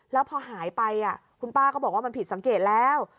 แล้วพอหายไปคุณป้าก็บอกว่ามันผิดสังเกตแล้ว